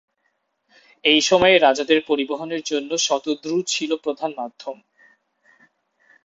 সেই সময়ে রাজাদের পরিবহনের জন্য, শতদ্রু ছিল প্রধান মাধ্যম।